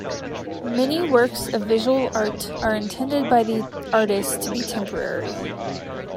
Many works of visual art are intended by the artist to be temporary.